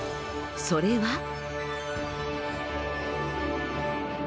それは。